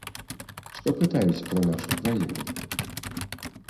Што пытаюць пра нашу краіну?